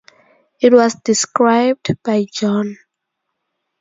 It was described by John.